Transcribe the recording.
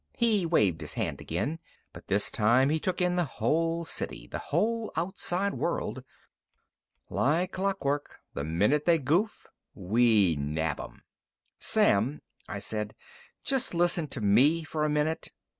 He waved his hand again, but, this time, he took in the whole city the whole outside world. "Like clock work. The minute they goof, we nab 'em." "Sam," I said, "just listen to me a minute.